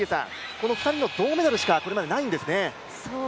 この２人の銅メダルしかこれまでないんですね。